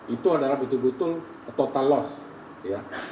itu adalah betul betul total loss ya